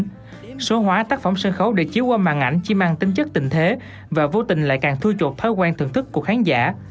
điểm diễn là hóa tác phẩm sân khấu để chiếu qua màn ảnh chi mang tính chất tình thế và vô tình lại càng thua chuột thói quen thưởng thức của khán giả